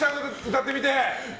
歌ってみて。